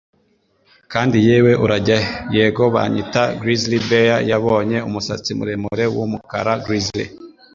Kandi - yewe - urajya he? Yego banyita Grizzly Bear yabonye umusatsi muremure wumukara grizzly